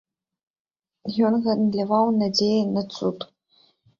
Ён гандляваў надзеяй на цуд.